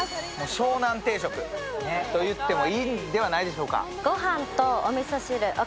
湘南定食と言ってもいいんではないでしょうか。